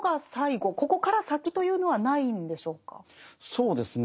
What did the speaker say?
そうですね